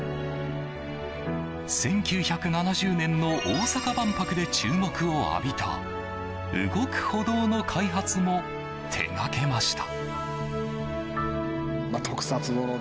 １９７０年の大阪万博で注目を浴びた動く歩道の開発も手がけました。